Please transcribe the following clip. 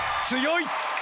強い。